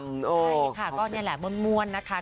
ใช่ค่ะก็นี่แหละม่วนนะคะ